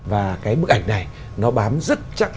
và bức ảnh này nó bám rất chắc